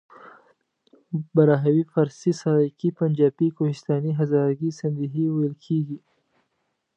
پښتو، بلوچي، براهوي، فارسي، سرایکي، پنجابي، کوهستاني، هزارګي، سندهي..ویل کېژي.